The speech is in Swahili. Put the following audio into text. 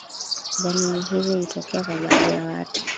dalili hizi hutokea kwa baadhi ya watu